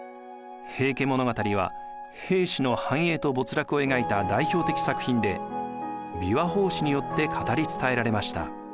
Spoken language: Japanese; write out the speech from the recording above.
「平家物語」は平氏の繁栄と没落を描いた代表的作品で琵琶法師によって語り伝えられました。